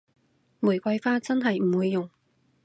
玫瑰花真係唔會用